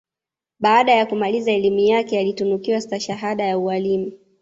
Baada ya kumaliza elimu yake ya alitunukiwa Stahahada ya Ualimu